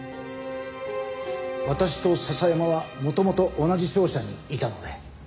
私と笹山は元々同じ商社にいたので。